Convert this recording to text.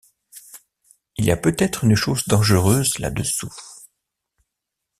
il y a peut-être une chose dangereuse là-dessous.